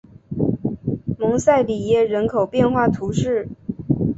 蒙塞里耶人口变化图示